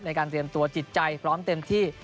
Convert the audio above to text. ในการเตรียมตัวจิตใจพร้อมเต็มที่